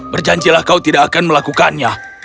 berjanjilah kau tidak akan melakukannya